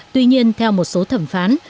tuy nhiên theo một số thẩm phán